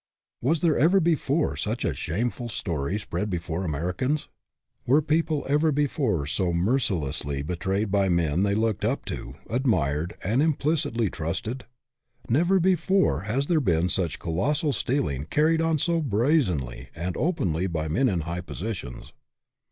Was there ever before such a shameful story spread before Americans? Were people ever before so mercilessly betrayed by men they looked up to, admired, and implicitly trusted? Never before has there been such colossal stealing carried on so brazenly and openly by men in high positions.